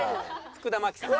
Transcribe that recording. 福田麻貴さん。